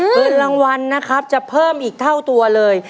เงินรางวัลนะครับจะเพิ่มอีกเท่าตัวเลย